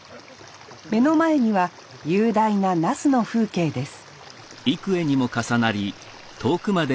目の前には雄大な那須の風景です